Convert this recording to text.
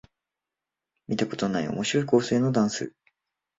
見たことない面白い構成のダンス